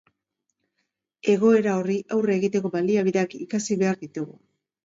Egoera horri aurre egiteko baliabideak ikasi behar ditugu.